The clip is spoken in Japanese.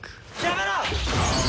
やめろ！